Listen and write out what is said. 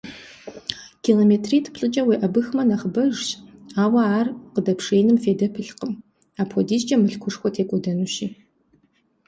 Километритӏ-плӏыкӏэ уеӏэбыхмэ нэхъыбэжщ, ауэ ар къыдэпшеиным фейдэ пылъкъым, апхуэдизкӏэ мылъкушхуэ текӏуэдэнущи.